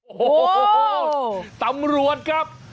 โอ้โหตำรวจครับ